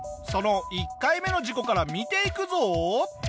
その１回目の事故から見ていくぞ。